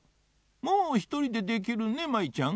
もうひとりでできるね舞ちゃん。